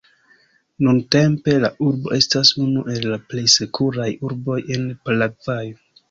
Nuntempe la urbo estas unu el la plej sekuraj urboj en Paragvajo.